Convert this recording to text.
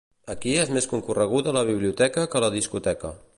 Aquí és més concorreguda la biblioteca que la discoteca